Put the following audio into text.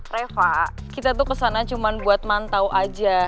reva kita tuh kesana cuma buat mantau aja